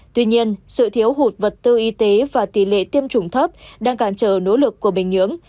tuy nhiên sự thiếu hụt vật tư y tế và tỷ lệ tiêm chủng thấp đang cản trở nỗ lực của bình nhưỡng